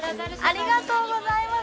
◆ありがとうございます。